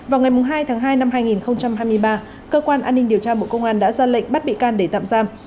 vào ngày hai tháng hai năm hai nghìn hai mươi ba cơ quan an ninh điều tra bộ công an đã ra lệnh bắt bị can để tạm giam